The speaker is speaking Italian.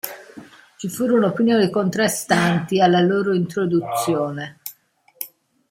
Ci furono opinioni contrastanti alla loro introduzione.